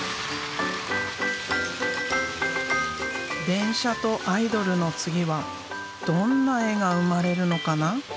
電車とアイドルの次はどんな絵が生まれるのかな。